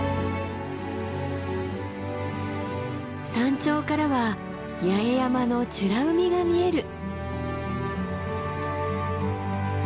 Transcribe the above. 山頂からは八重山の美ら海が見える。